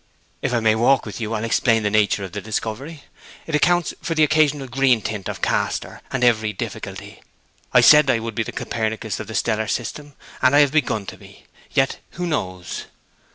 'If I may walk with you I will explain the nature of the discovery. It accounts for the occasional green tint of Castor, and every difficulty. I said I would be the Copernicus of the stellar system, and I have begun to be. Yet who knows?'